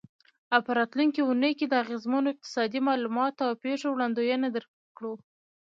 او په راتلونکې اونۍ کې د اغیزمنو اقتصادي معلوماتو او پیښو وړاندوینه درکړو.